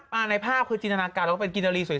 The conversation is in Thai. ป่านายภาพคือจินธนาการก็เป็นกินอรีสวย